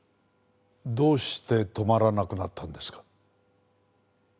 どうして止まらなくなったんですか？